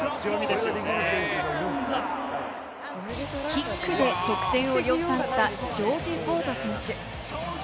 キックで得点を量産したジョージ・フォード選手。